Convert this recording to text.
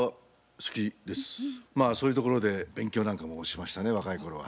まあそういうところで勉強なんかもしましたね若い頃は。